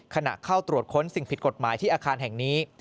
ขณะเข้าตรวจค้นสิ่งผิดกฎหมายที่อาคารแห่งนี้